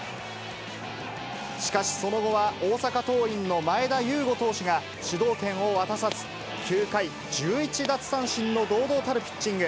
しかしその後は大阪桐蔭の前田ゆうご投手が主導権を渡さず、９回１１奪三振の堂々たるピッチング。